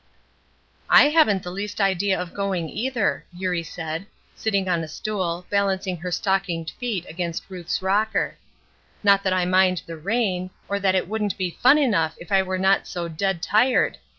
"I haven't the least idea of going, either," Eurie said, sitting on a stool, balancing her stockinged feet against Ruth's rocker. "Not that I mind the rain, or that it wouldn't be fun enough if I were not so dead tired.